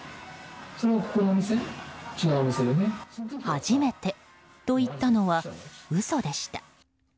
初めてと言ったのは嘘でした。